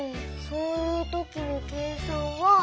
そういうときの計算は。